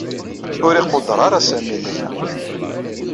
Ur iquder ara Sami Layla.